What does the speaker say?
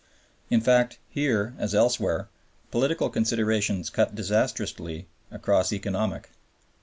In fact, here, as elsewhere, political considerations cut disastrously across economic.